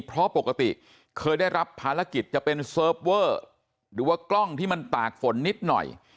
เพราะปกติเคยได้รับภารกิจจะเป็นเซิร์ฟเวอร์หรือว่ากล้องที่มันตากฝนนิดหน่อย